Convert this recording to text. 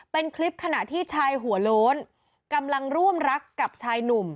เป็นคลิปขณะที่ชายหัวโล้นกำลังร่วมรักกับชายหนุ่ม